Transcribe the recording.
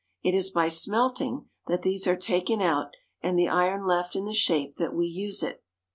It is by smelting that these are taken out and the iron left in the shape that we use it.